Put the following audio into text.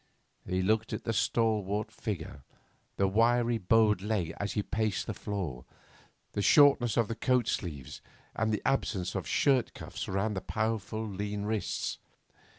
He looked at the stalwart figure, the wiry bowed legs as he paced the floor, the shortness of the coat sleeves and the absence of shirt cuffs round the powerful lean wrists.